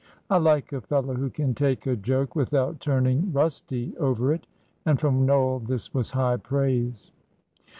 I like a fellow who can take a joke without turning rusty over it" and from Noel this was high praise.